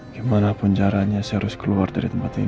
gimana penjaranya saya harus keluar dari tempat ini